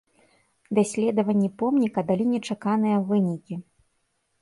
Даследаванні помніка далі нечаканыя вынікі.